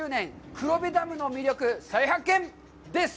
黒部ダムの魅力再発見」です。